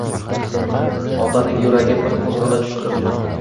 Otaning yuragi bir qo‘zg‘ala tushdi